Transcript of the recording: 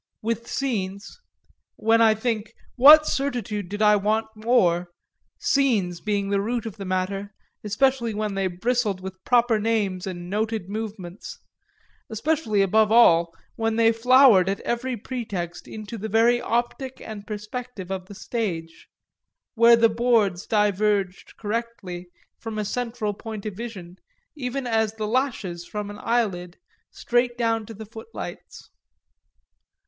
With scenes, when I think, what certitude did I want more? scenes being the root of the matter, especially when they bristled with proper names and noted movements; especially, above all, when they flowered at every pretext into the very optic and perspective of the stage, where the boards diverged correctly, from a central point of vision, even as the lashes from an eyelid, straight down to the footlights.